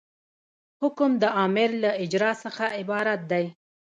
حکم د امر له اجرا څخه عبارت دی.